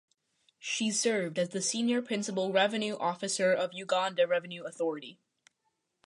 She served as the Senior Principal Revenue Officer of Uganda Revenue Authority.